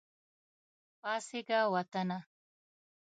پاڅیږه وطنه !